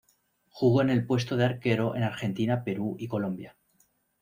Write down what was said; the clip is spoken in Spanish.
Jugó en el puesto de arquero en Argentina, Perú y Colombia.